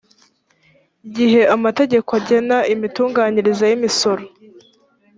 gihe amategeko agena imitunganyirize y imisoro